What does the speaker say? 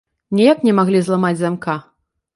Ніяк не маглі зламаць замка.